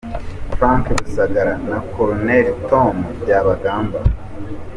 Frank Rusagara na Col. Tom Byabagamba